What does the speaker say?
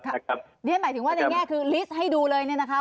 นะครับเดี๋ยวให้หมายถึงว่าในแง่คือลิสต์ให้ดูเลยเนี่ยนะคะ